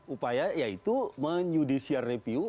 upaya yaitu menyudisiar review